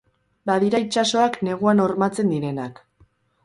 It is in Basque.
Badira itsasoak neguan hormatzen direnak